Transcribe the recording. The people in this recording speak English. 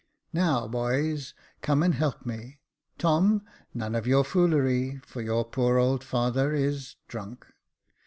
"Now, boys, come and help me — Tom — none of your foolery — for your poor old father is — drunk